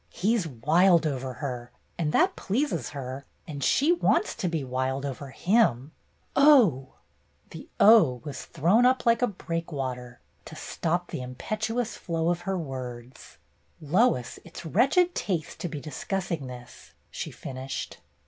He 's wild over her, and that pleases her, and she wants to be wild over him — oh !" The " oh !" was thrown up like a break water, to stop the impetuous flow of her words. " Lois, it 's wretched taste to be discussing this," she finished.